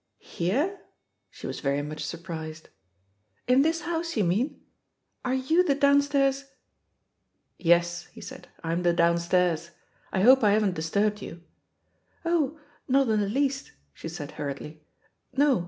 "Here?" She was very much surprised. "In this house, do you mean? Are yow the down stairs " "Yes," he said ; "I'm the 'downstairs.' I hope I haven't disturbed you?" "Oh, not in the least," she said hurriedly; "no.